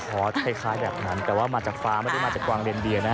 เพราะคล้ายแบบนั้นแต่ว่ามาจากฟ้าไม่ได้มาจากกวางเลนเดียนะฮะ